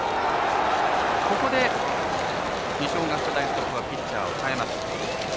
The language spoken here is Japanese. ここで二松学舎大付属はピッチャーを代えます。